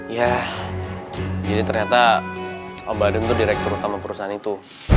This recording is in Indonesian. ya jadi ternyata om badrun tuh direktur utama perusahaan itu